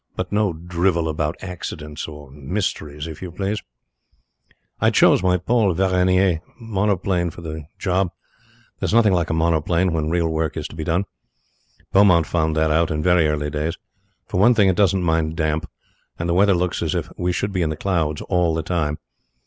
But no drivel about accidents or mysteries, if YOU please. "I chose my Paul Veroner monoplane for the job. There's nothing like a monoplane when real work is to be done. Beaumont found that out in very early days. For one thing it doesn't mind damp, and the weather looks as if we should be in the clouds all the time.